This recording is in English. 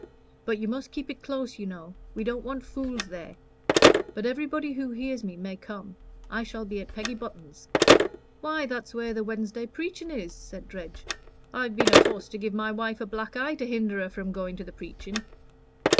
But you must keep it close, you know. We don't want fools there. But everybody who hears me may come. I shall be at Peggy Button's." "Why, that's where the Wednesday preachin' is," said Dredge. "I've been aforced to give my wife a black eye to hinder her from going to the preachin'.